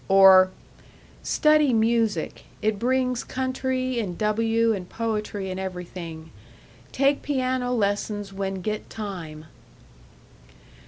Or: "Study music, it brings country and W. and poetry and everything; take piano les. when get time."